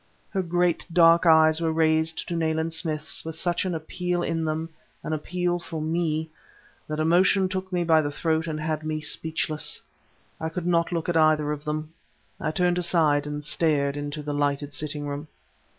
Her great dark eyes were raised to Nayland Smith's with such an appeal in them an appeal for me that emotion took me by the throat and had me speechless. I could not look at either of them; I turned aside and stared into the lighted sitting room.